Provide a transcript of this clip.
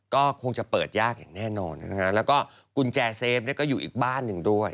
ก็คงจะเปิดยากอย่างแน่นอนนะฮะแล้วก็กุญแจเซฟเนี่ยก็อยู่อีกบ้านหนึ่งด้วย